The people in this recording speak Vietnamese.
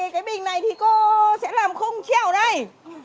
cái bình này thì cô sẽ làm không treo đây